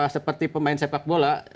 seperti pemain sepak bola